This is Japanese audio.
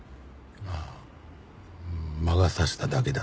ああ「魔が差しただけだ」